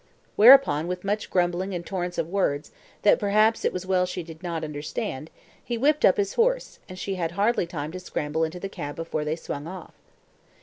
Whereupon with much grumbling and torrents of words that, perhaps, it was as well she did not understand, he whipped up his horse, and she had hardly time to scramble into the cab before they swung off.